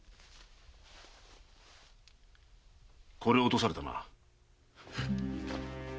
これを落とされたかな。